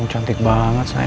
kamu cantik banget sayang